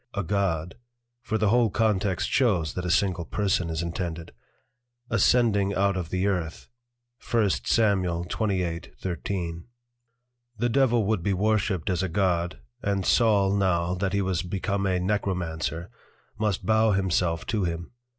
A God; (for the whole Context shows, that a single Person is intended) Ascending out of the Earth. 1 Sam. 28.13. The Devil would be Worshipped as a God, and Saul now, that he was become a Necromancer, must bow himself to him.